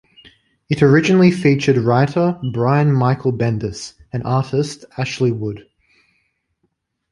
It originally featured writer Brian Michael Bendis and artist Ashley Wood.